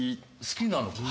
好きなのか。